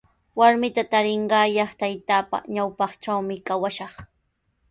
Warmita tarinqaayaq taytaapa ñawpantrawmi kawashaq.